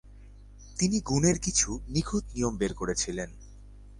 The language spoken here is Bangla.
তিনি গুণের কিছু নিখুত নিয়ম বের করেছিলেন।